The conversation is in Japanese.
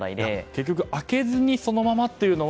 結局、開けずにそのままというのは。